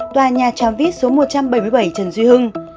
tòa nhà tràm vít một trăm bảy mươi bảy trần duy hưng